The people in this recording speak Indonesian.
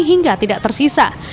hingga tidak tersisa